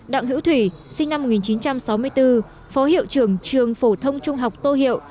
đặng hữu thủy sinh năm một nghìn chín trăm sáu mươi bốn phó hiệu trưởng trường phổ thông trung học tô hiệu